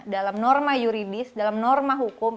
dalam norma yuridis dalam norma hukum